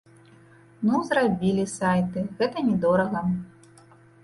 Ну зрабілі сайты, гэта не дорага.